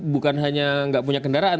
bukan hanya nggak punya kendaraan